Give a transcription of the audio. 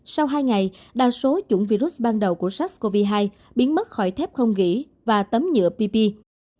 sau hai ngày đa số chủng virus ban đầu của sars cov hai biến mất khỏi thép không ghi và tấm nhựa pp